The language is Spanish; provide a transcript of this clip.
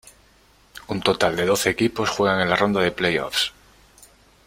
Un total de doce equipos juegan en la ronda de play-offs.